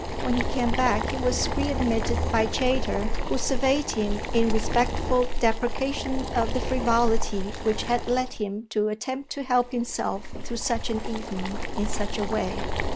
When he came back he was readmitted by Chayter, who surveyed him in respectful deprecation of the frivolity which had led him to attempt to help himself through such an evening in such a way.